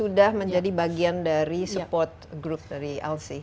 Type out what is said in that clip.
sudah menjadi bagian dari support group dari lc